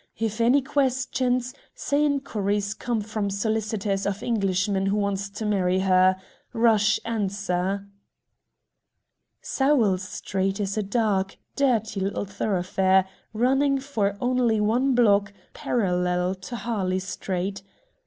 If any questions, say inquiries come from solicitors of Englishman who wants to marry her. Rush answer." Sowell Street is a dark, dirty little thoroughfare, running for only one block, parallel to Harley Street.